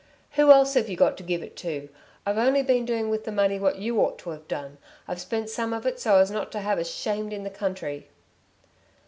Who else have you got to give it to? I've only been doing with the money what you ought to have done. I've spent some of it so as not to have us shamed in the country."